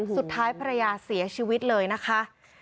สุดท้ายภรรยาเสียชีวิตเลยนะคะ